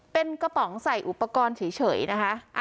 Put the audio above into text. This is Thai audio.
เป็นกระป๋องใส่อุปกรณ์เฉยนะคะ